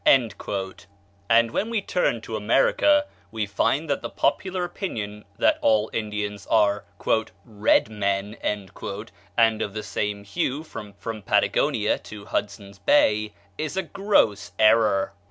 And when we turn to America we find that the popular opinion that all Indians are "red men," and of the same hue from Patagonia to Hudson's Bay, is a gross error.